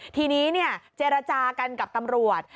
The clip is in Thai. ทีนี้เจรจากันกับตำรวจ